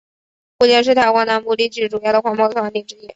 目前是台湾南部地区主要的环保团体之一。